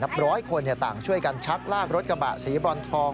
ร้อยคนต่างช่วยกันชักลากรถกระบะสีบรอนทอง